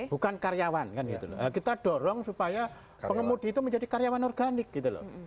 bukan karyawan kan gitu loh kita dorong supaya pengemudi itu menjadi karyawan organik gitu loh